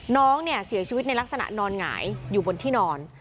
น้องเนี่ยเสียชีวิตในลักษณะนอนหงายอยู่บนที่นอน